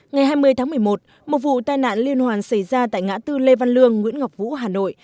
ngày hai mươi tháng một mươi một một vụ tai nạn liên hoàn xảy ra tại ngã tư lê văn lương nguyễn ngọc vũ hà nội